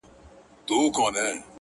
ډېوې پوري؛